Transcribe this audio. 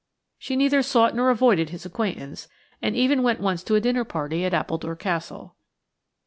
She neither sought nor avoided his acquaintance, and even went once to a dinner party at Appledore Castle.